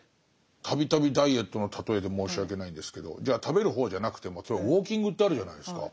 度々ダイエットの例えで申し訳ないんですけど食べる方じゃなくても例えばウォーキングってあるじゃないですか。